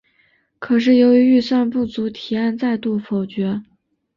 可是由于预算不足提案再度否决。